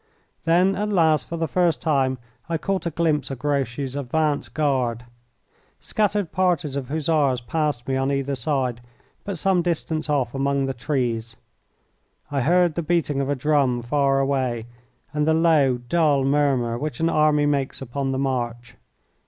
Then, at last, for the first time I caught a glimpse of Grouchy's advance guard. Scattered parties of Hussars passed me on either side, but some distance off, among the trees. I heard the beating of a drum far away, and the low, dull murmur which an army makes upon the march.